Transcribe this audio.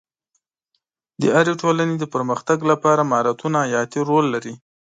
د هرې ټولنې د پرمختګ لپاره مهارتونه حیاتي رول لري.